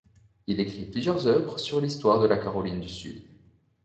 Il écrit plusieurs œuvres sur l'histoire de la Caroline du Sud.